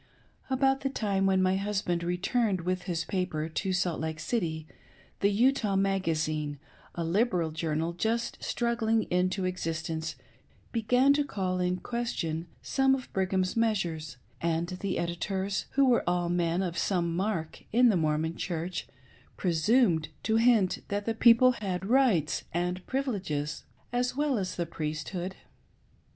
•About the time when my husband' returned with his paper to Salt Lake City, the Uiak Magazine, a liberal journal just struggling into existence, began to call in question some of Brigham's measures, and the editors, who were all men of some mark in the Mormon Church, presumed to hint that the people had rights and privileges as well as the Priesthood.